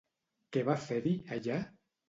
Què va fer-hi, allà?